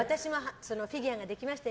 フィギュアができましたよ